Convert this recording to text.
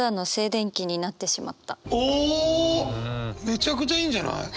めちゃくちゃいいんじゃない。